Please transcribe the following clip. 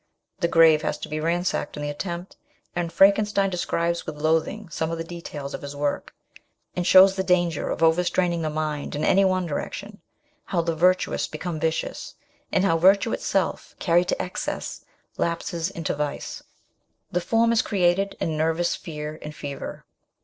The grave has to be ransacked in the attempt, and Frankenstein describes with loathing some of the details of his work, and shows the danger of overstraining the mind in any one direction how the virtuous become vicious, and how virtue itself, carried to excess, lapses into vice. 104 MES. SHELLEY. The form is created in nervous fear and fever.